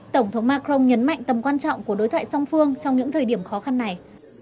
tổng thống macron nhấn mạnh tầm quan trọng của đối thoại song phương trong những thời điểm khó khăn này